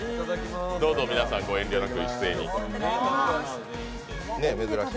どうぞ皆さん、ご遠慮なく一斉に。